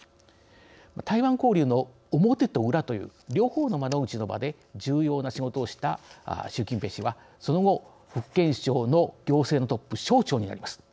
台湾交流の表と裏という両方の窓口の場で重要な仕事をした習近平氏はその後、福建省の行政のトップ省長になります。